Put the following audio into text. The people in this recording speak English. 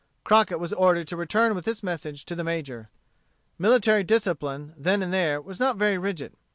Crockett was ordered to return with this message to the Major. Military discipline, then and there, was not very rigid.